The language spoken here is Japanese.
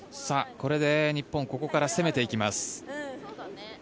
これで日本ここから攻めていきます。